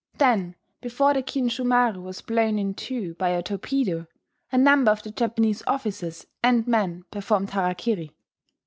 Then, before the Kinshu Maru was blown in two by a torpedo, a number of the Japanese officers and men performed harakiri....